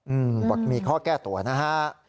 บทมีข้อแก้ตัวนะฮะ